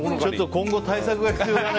今後、対策が必要だね。